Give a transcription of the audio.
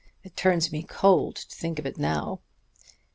It turns me cold to think of it now.